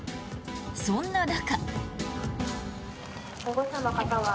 そんな中。